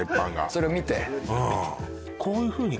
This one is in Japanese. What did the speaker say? それを見て？